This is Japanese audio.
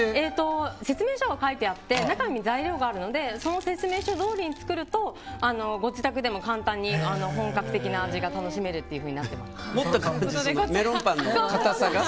説明書が書いてあって中に材料があるのでその説明書どおりに作るとご自宅でも簡単に本格的な味が楽しめるようになっています。